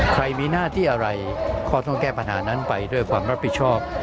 ใครมีหน้าที่อะไรก็ต้องแก้ปัญหานั้นไปด้วยความรับผิดชอบ